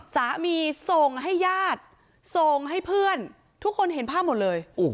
สามีส่งให้ญาติส่งให้เพื่อนทุกคนเห็นภาพหมดเลย